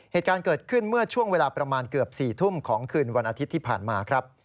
เหตุการณ์เกิดขึ้นเมื่อช่วงเวลาประมาณเกือบ๔ทุ่มของคืนวันอาทิตย์ที่ผ่านมาครับ